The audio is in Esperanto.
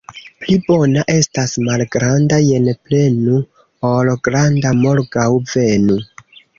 Pli bona estas malgranda "jen prenu" ol granda "morgaŭ venu".